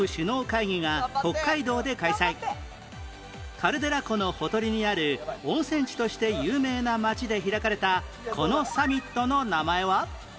カルデラ湖のほとりにある温泉地として有名な町で開かれたこのサミットの名前は？